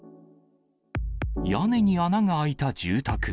屋根に穴が開いた住宅。